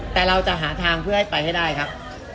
แต่เราจะหาทางเพื่อให้ไปให้ได้ครับ